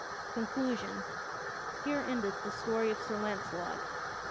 CONCLUSION _Here endeth the story of Sir Launcelot.